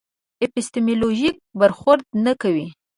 اپیستیمولوژیک برخورد نه کوي.